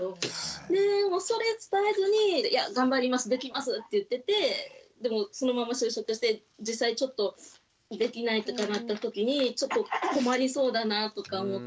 それ伝えずに「いや頑張りますできます」って言っててでもそのまま就職して実際ちょっとできないとかなったときにちょっと困りそうだなとか思って。